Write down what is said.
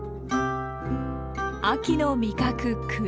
秋の味覚栗。